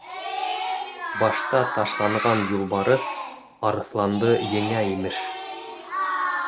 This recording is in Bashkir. Башта ташланған юлбарыҫ арыҫланды еңә. имеш.